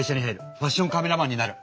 ファッションカメラマンになる！